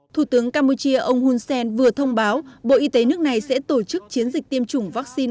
thủ tướng campuchia ông hun sen vừa thông báo bộ y tế nước này sẽ tổ chức chiến dịch tiêm chủng vaccine